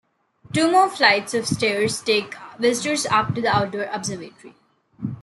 Two more flights of stairs take visitors up to the Outdoor Observatory.